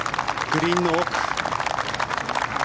グリーンの奥。